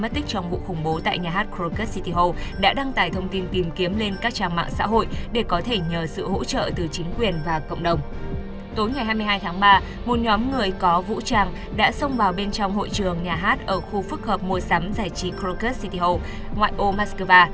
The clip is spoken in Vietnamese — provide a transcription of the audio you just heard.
tối ngày hai mươi hai tháng ba một nhóm người có vũ trang đã xông vào bên trong hội trường nhà hát ở khu phức hợp môi sắm giải trí crocus city hall ngoại ô moskova